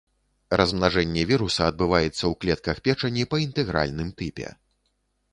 Размнажэнне віруса адбываецца ў клетках печані па інтэгральным тыпе.